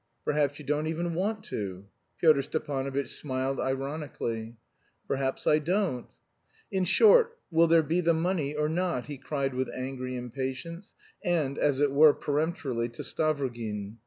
"Perhaps you don't even want to," Pyotr Stepanovitch smiled ironically. "Perhaps I don't." "In short, will there be the money or not?" he cried with angry impatience, and as it were peremptorily, to Stavrogin.